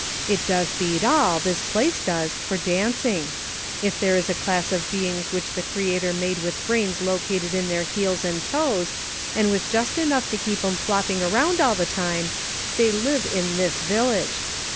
It does beat all, this place does, for dancing. If there is a class of beings which the Creator made with brains located in their heels and toes, and with just enough to keep 'em flopping around all the time, they live in this village.